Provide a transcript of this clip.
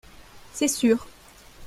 C’est sûr